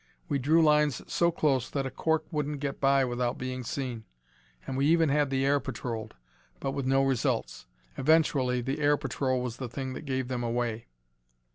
We drew lines so close that a cork couldn't get by without being seen and we even had the air patrolled, but with no results. Eventually the air patrol was the thing that gave them away.